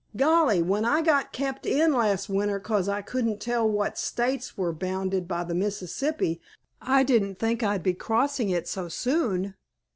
Golly, when I got kept in last winter 'cause I couldn't tell what States were bounded by the Mississippi I didn't think I'd be crossing it so soon!"